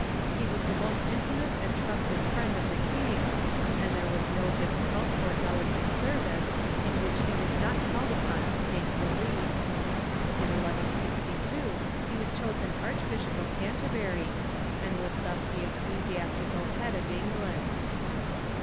He was the most intimate and trusted friend of the king, and there was no difficult or delicate service in which he Avas not called upon to take the lead. In 11C2 he was chosen Archbishop of Canterbury, and was thus the ecclesiastical head of England.